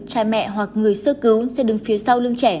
cha mẹ hoặc người sư cứu sẽ đứng phía sau lưng trẻ